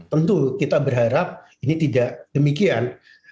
tentu kita berharap ini tidak demikian